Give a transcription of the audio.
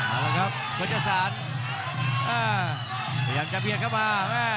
เอาล่ะครับมันจะสารอ่าพยายามจะเบียดเข้ามาอ่า